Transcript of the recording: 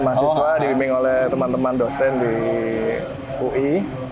mahasiswa dibimbing oleh teman teman dosen di ui